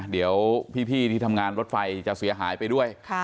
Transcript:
เดี๋ยวพี่ที่ทำงานรถไฟจะเสียหายไปด้วย